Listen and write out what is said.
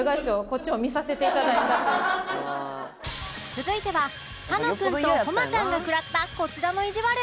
続いては楽君と誉ちゃんが食らったこちらのいじわる